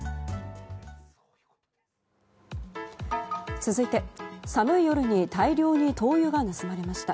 続いて、寒い夜に大量に灯油が盗まれました。